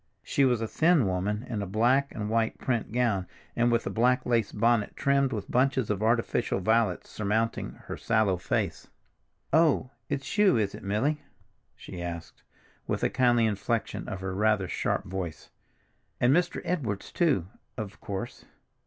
She was a thin woman in a black and white print gown, and with a black lace bonnet trimmed with bunches of artificial violets surmounting her sallow face. "Oh, it's you, is it, Milly?" she asked with a kindly inflection of her rather sharp voice. "And Mr. Edwards, too, of course.